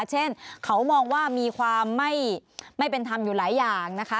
เช่นเขามองว่ามีความไม่เป็นธรรมอยู่หลายอย่างนะคะ